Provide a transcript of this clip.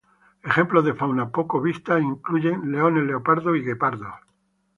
Ejemplos de fauna poco vista incluyen leones, leopardos y guepardos.